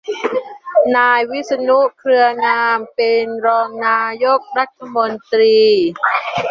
นายวิษณุ เครืองาม เป็นรองนายกรัฐมนตรี